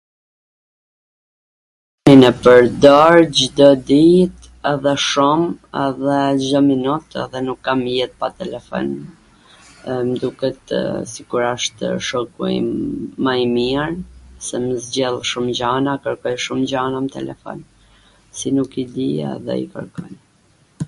kena pwr dark Cdo dit edhe shum edhe Cdo minut edhe nuk kam jet pa telefon, m duketw sikur ashtw shoku im ma i mir, se un zgjedh shum gjana, kwrkoj shum gjana n telefon, si nuk i dija edhe i kwrkon